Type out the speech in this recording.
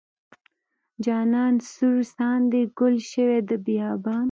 جانان سور ساندې ګل شوې د بیابان.